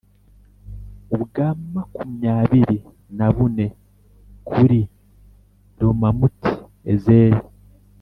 ubwa makumyabiri na bune kuri Romamuti Ezeri